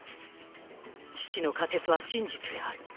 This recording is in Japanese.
父の仮説は真実である。